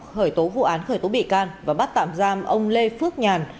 khởi tố vụ án khởi tố bị can và bắt tạm giam ông lê phước nhàn